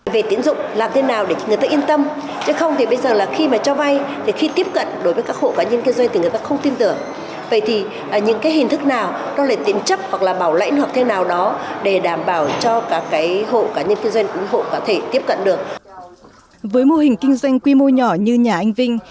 với mô hình kinh doanh quy mô nhỏ như nhà anh vinh